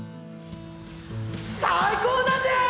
最高だぜ！